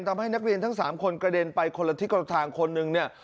ทำให้นักเรียนทั้ง๓คนกระเด็นไปคนละทิศคนละทางคนหนึ่งเนี่ย